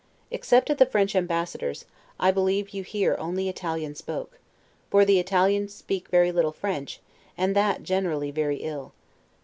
Except at the French Ambassador's, I believe you hear only Italian spoke; for the Italians speak very little French, and that little generally very ill.